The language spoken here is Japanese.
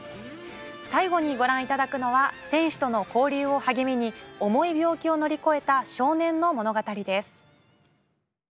最後にご覧いただくのは選手との交流を励みに重い病気を乗り越えた少年の物語です。